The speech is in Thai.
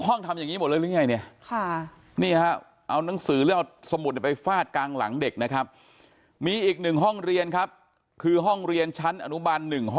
หรือว่าจะลงเรียนในไทยก็แหละแต่